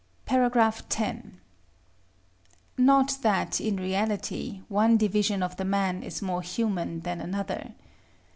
§ X. Not that, in reality, one division of the man is more human than another.